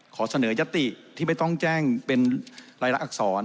ขอเสนอยติที่ไม่ต้องแจ้งเป็นรายลักษณอักษร